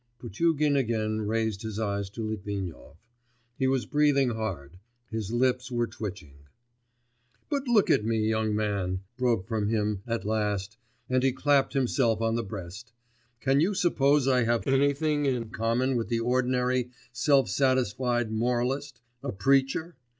Potugin again raised his eyes to Litvinov. He was breathing hard, his lips were twitching. 'But look at me, young man,' broke from him at last, and he clapped himself on the breast: 'can you suppose I have anything in common with the ordinary, self satisfied moralist, a preacher?